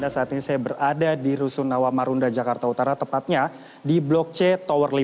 saat ini saya berada di rusunawa marunda jakarta utara tepatnya di blok c tower lima